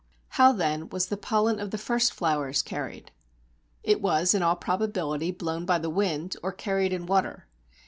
How then was the pollen of the first flowers carried? It was in all probability blown by the wind or carried in water.